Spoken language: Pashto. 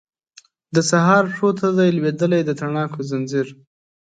د سهار پښو ته دی لویدلی د تڼاکو ځنځیر